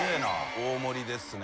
大盛りですね。